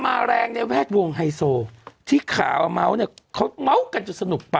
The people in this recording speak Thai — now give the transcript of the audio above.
แรงในแวดวงไฮโซที่ข่าวเมาส์เนี่ยเขาเมาส์กันจนสนุกไป